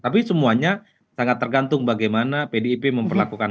tapi semuanya sangat tergantung bagaimana pdip memperlakukan